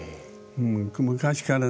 昔からねえ